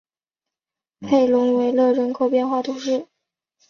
佩龙维勒人口变化图示